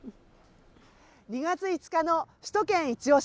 ２月５日の首都圏いちオシ！